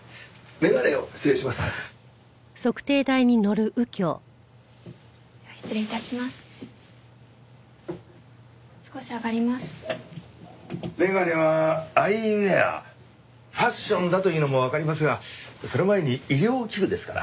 眼鏡はアイウェアファッションだというのもわかりますがその前に医療器具ですから。